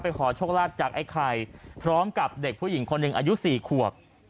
ขอโชคลาภจากไอ้ไข่พร้อมกับเด็กผู้หญิงคนหนึ่งอายุ๔ขวบ